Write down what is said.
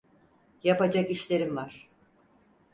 Yapacak işlerim var.